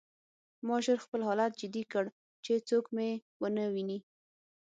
ما ژر خپل حالت جدي کړ چې څوک مې ونه ویني